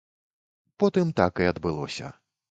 Потым так і адбылося.